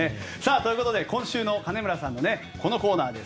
ということで、今週の金村さんのこのコーナーです。